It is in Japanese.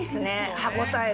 歯応えが。